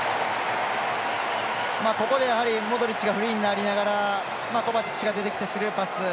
ここでモドリッチがフリーになりながらコバチッチが出てきてスルーパス。